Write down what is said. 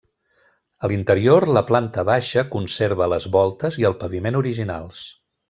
A l'interior, la planta baixa conserva les voltes i el paviment originals.